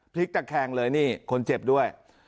พลิกตะแคงเลยนี่คนเจ็บด้วย